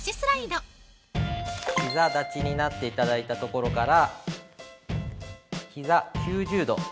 ◆膝立ちになっていただいたところから膝９０度。